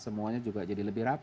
semuanya juga jadi lebih rapi